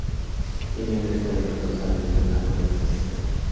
Tiene tres aletas dorsales, con una corta distancia entre ellas.